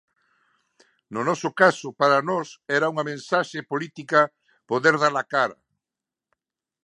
No noso caso, para nós era unha mensaxe política, poder dar a cara.